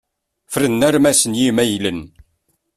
Fern armas n yimaylen.